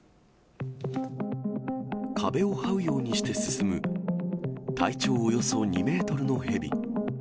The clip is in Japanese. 壁をはうようにして進む、体長およそ２メートルのヘビ。